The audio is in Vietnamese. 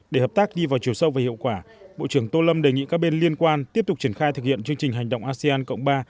để hợp tác đi vào chiều sâu và hiệu quả bộ trưởng tô lâm đề nghị các bên liên quan tiếp tục triển khai thực hiện chương trình hành động asean cộng ba